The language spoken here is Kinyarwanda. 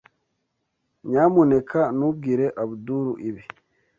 Nyamuneka ntubwire Abdul ibi.